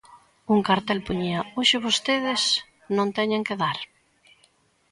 Un cartel poñía: "Hoxe vostedes non teñen que dar".